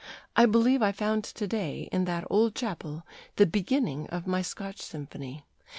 I believe I found to day in that old chapel the beginning of my Scotch symphony."